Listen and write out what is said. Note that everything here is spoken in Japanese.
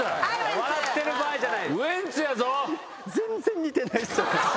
笑ってる場合じゃない。